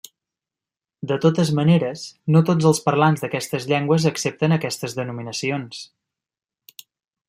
De totes maneres, no tots els parlants d'aquestes llengües accepten aquestes denominacions.